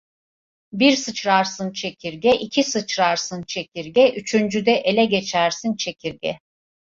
Bir sıçrarsın çekirge, iki sıçrarsın çekirge, üçüncüde ele geçersin çekirge.